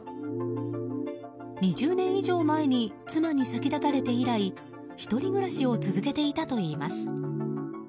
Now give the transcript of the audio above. ２０年以上前に妻に先立たれて以来１人暮らしを続けていたといいます。